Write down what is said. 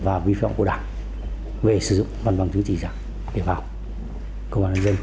và vi phạm của đảng về sử dụng văn bằng chứng chỉ giả để vào công an nhân dân